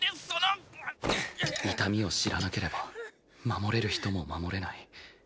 痛みを知らなければ守れる人も守れない。